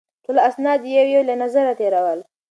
ټول اسناد یې یو یو له نظره تېرول.